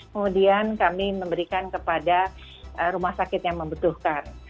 kemudian kami memberikan kepada rumah sakit yang membutuhkan